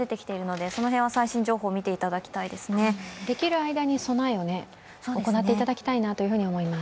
できる間に備えをね、行っていただきたいなって思います。